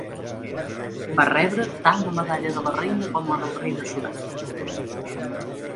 Va rebre tant la Medalla de la Reina com la del Rei de Sud-àfrica.